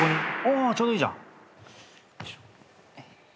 おちょうどいいじゃん。